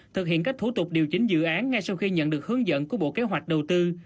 thực hiện các thủ tục điều chỉnh dự án ngay sau khi nhận được hướng dẫn của bộ kế hoạch đầu tư